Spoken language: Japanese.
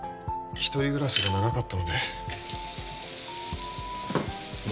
一人暮らしが長かったのでじゃ